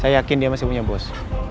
saya yakin dia masih punya bos